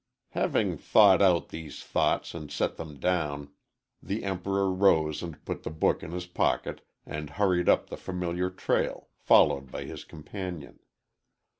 "_ Having "thought out" these thoughts and set them down, the Emperor rose and put the book in his pocket and hurried up the familiar trail, followed by his companion.